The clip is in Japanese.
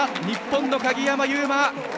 日本の鍵山優真。